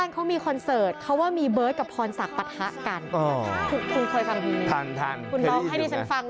อ๋อเค้าว่ามีเบิร์ดกับพรศักดิ์ประทะกัน